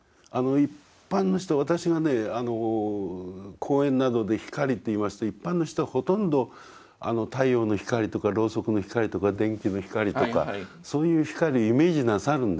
一般の人私がね講演などで「光」って言いますと一般の人はほとんど太陽の光とかろうそくの光とか電球の光とかそういう光をイメージなさるんですよね。